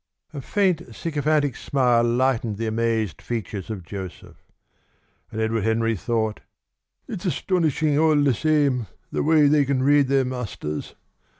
A faint sycophantic smile lightened the amazed features of Joseph. And Edward Henry thought: "It's astonishing, all the same, the way they can read their masters.